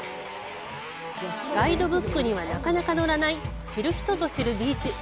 ガイドブックにはなかなか載らない知る人ぞ知るビーチ。